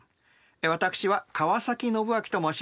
私は川宣昭と申します。